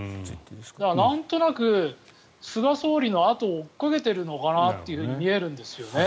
なんとなく菅総理のあとを追いかけてるのかなと見えるんですよ。